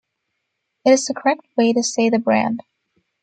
It is the "correct" way to say the brand.